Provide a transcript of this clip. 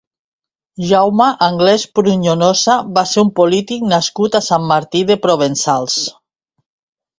Jaume Anglès Pruñonosa va ser un polític nascut a Sant Martí de Provençals.